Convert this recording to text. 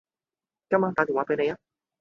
今晚打電話畀你吖